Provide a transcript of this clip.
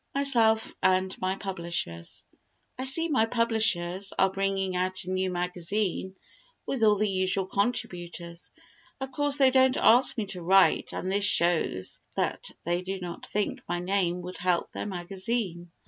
Myself and My Publishers I see my publishers are bringing out a new magazine with all the usual contributors. Of course they don't ask me to write and this shows that they do not think my name would help their magazine.